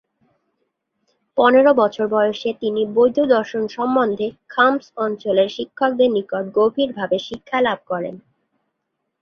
পনেরো বছর বয়সে তিনি বৌদ্ধ দর্শন সম্বন্ধে খাম্স অঞ্চলের শিক্ষকদের নিকট গভীরভাবে শিক্ষালাভ করেন।